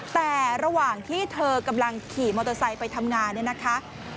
แต่ระหว่างที่เธอกำลังขี่มอเตอร์ไซค์ไปทำงานเนี่ยนะคะ